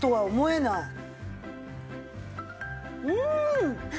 うん！